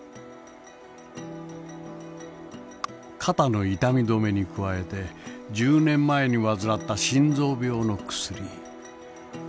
肩の痛み止めに加えて１０年前に患った心臓病の薬。